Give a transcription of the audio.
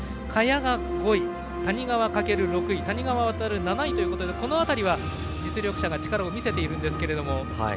萱が５位、谷川翔が６位谷川航が７位ということでこの辺りは実力者が力を見せているんですが。